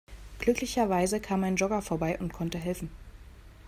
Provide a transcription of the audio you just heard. Glücklicherweise kam ein Jogger vorbei und konnte helfen.